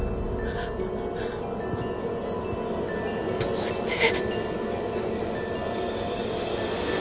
どうして。